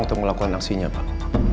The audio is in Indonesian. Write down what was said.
untuk melakukan aksinya pak